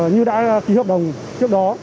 như đã ký hợp đồng trước đó